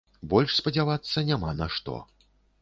Больш спадзявацца няма на што.